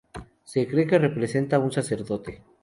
Se cree que representa un sacerdote.